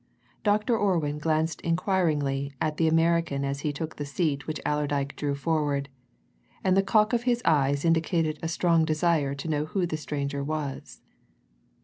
Dr. Orwin glanced inquiringly at the American as he took the seat which Allerdyke drew forward, and the cock of his eyes indicated a strong desire to know who the stranger was.